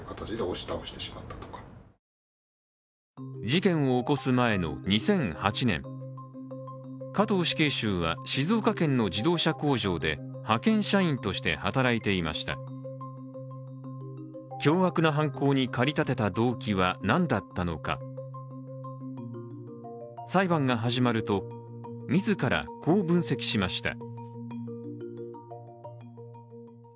事件を起こす前の２００８年加藤死刑囚は、静岡県の自動車工場で派遣社員として働いていました凶悪な犯行に駆り立てた動機は何だったのか裁判が始まると、自らこう分析しました。